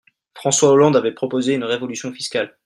François Hollande avait proposé une révolution fiscale.